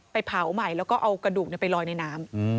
เผาใหม่แล้วก็เอากระดูกไปลอยในน้ำ